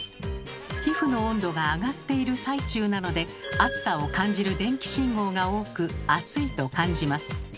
皮膚の温度が上がっている最中なので熱さを感じる電気信号が多く「熱い」と感じます。